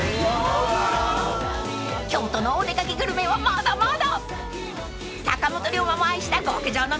［京都のお出掛けグルメはまだまだ］